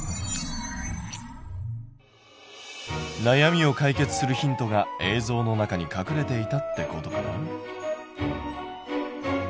なやみを解決するヒントが映像の中に隠れていたってことかな？